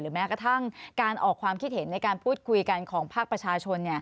แม้กระทั่งการออกความคิดเห็นในการพูดคุยกันของภาคประชาชน